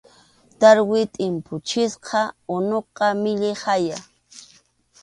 Tarwi tʼimpuchisqa unuqa millay haya.